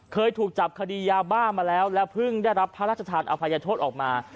เคยถูกจับคดียาบ้ามาแล้วและเพิ่งได้รับพระราชทานอภัยโทษออกมา